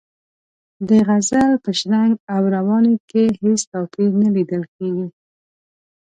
د غزل په شرنګ او روانۍ کې هېڅ توپیر نه لیدل کیږي.